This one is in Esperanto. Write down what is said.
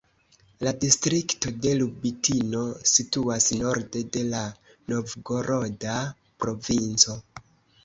La distrikto de Lubitino situas norde de la Novgoroda provinco.